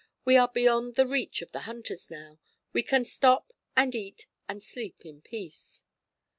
We are beyond the reach of the hunters now. We can stop and eat and sleep in peace."